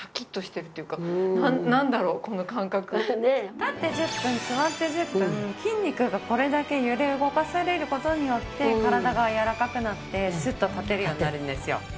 立って１０分座って１０分筋肉がこれだけ揺れ動かされる事によって体がやわらかくなってスッと立てるようになるんですよ。